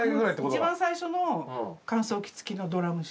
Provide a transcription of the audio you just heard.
一番最初の乾燥機つきのドラム式。